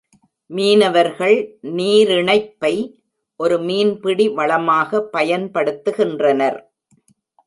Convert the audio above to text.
மீனவர்கள் நீரிணைப்பை ஒரு மீன்பிடி வளமாக பயன்படுத்துகின்றனர்.